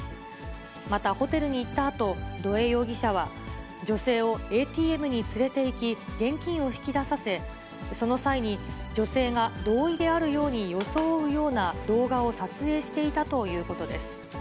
またホテルに行ったあと、土江容疑者は、女性をＡＴＭに連れていき、現金を引き出させ、その際に、女性が同意であるように装うような動画を撮影していたということです。